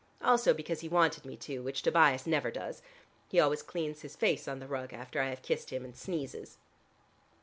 Also because he wanted me to, which Tobias never does: he always cleans his face on the rug after I have kissed him, and sneezes."